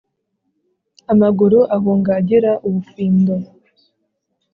amaguru ahunga agira ubufindo.